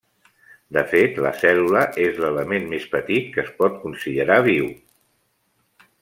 De fet, la cèl·lula és l'element més petit que es pot considerar viu.